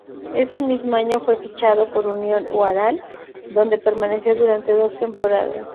Ese mismo año fue fichado por Unión Huaral donde permaneció durante dos temporadas.